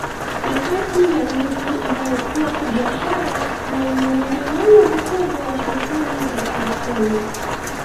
Ni kati ya miji inayokua kibiashara na yenye muingiliano mkubwa wa shughuli za kiuchumi